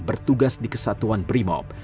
bertugas di kesatuan primob